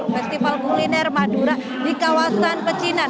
festival kuliner madura di kawasan pecinan